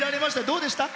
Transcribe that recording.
どうでした？